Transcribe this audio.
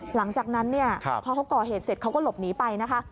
หลังจากนั้นเนี่ยพอเขาก่อเหตุเสร็จเขาก็หลบหนีไปนะคะ